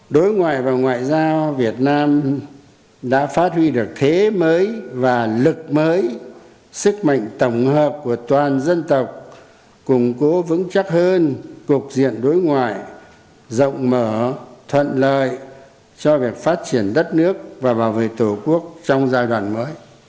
đối ngoại và ngoại giao việt nam đã phát huy được thế mới và lực mới sức mạnh tổng hợp của toàn dân tộc củng cố vững chắc hơn cục diện đối ngoại rộng mở thuận lợi cho việc phát triển đất nước và bảo vệ tổ quốc trong giai đoạn mới